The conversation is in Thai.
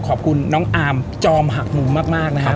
ขอบคุณน้องอาร์มจอมหักมุมมากนะครับ